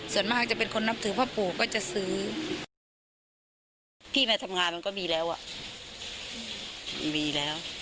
ส่วนมากจะเป็นคนนับถือพ่อปู่ก็จะซื้อที่มาทำงานมันก็มีแล้วอ่ะมีแล้ว